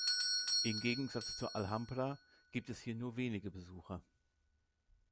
Im Gegensatz zur Alhambra gibt es hier nur wenige Besucher.